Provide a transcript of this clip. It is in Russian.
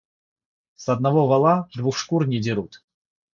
С одного вола двух шкур не дерут.